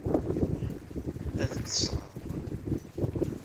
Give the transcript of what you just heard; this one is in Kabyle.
Ad d-sɣeɣ wa.